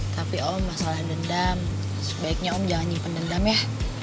tapi om masalah dendam sebaiknya om jangan nyimpen dendam ya